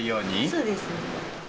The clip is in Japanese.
そうですね。